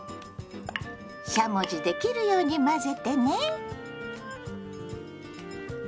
しゃもじで切るように混ぜてね。